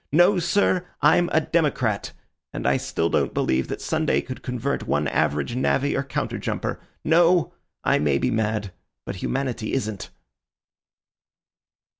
No, sir, I'm a democrat, and I still don't believe that Sunday could convert one average navvy or counter jumper. No, I may be mad, but humanity isn't."